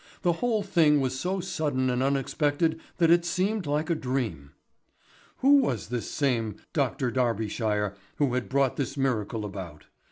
The whole thing was so sudden and unexpected that it seemed like a dream. Who was this same Dr. Darbyshire who had brought this miracle about?